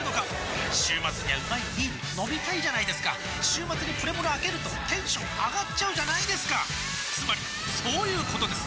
週末にはうまいビール飲みたいじゃないですか週末にプレモルあけるとテンション上がっちゃうじゃないですかつまりそういうことです！